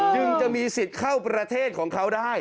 จึงจะมีสิทธิ์เข้าประเทศของเขาได้